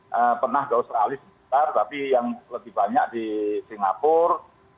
yang pernah gaustralis tapi yang lebih banyak di singapura